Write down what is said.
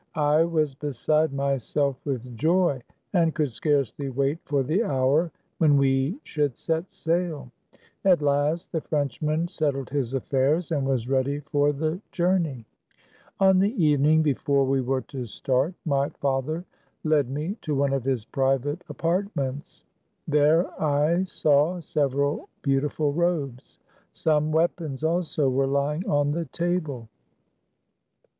I was beside THE CAB AVAN. 129 myself with joy, and could scarcely wait for the hour when we should set sail. At last the Frenchman settled his affairs, and was ready for the journey. On the evening before we were to start, my father led me to one of his private apartments. There I saw several beautiful robes ; some weap ons also were lying on the table.